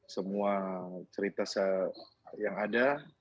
semua cerita yang ada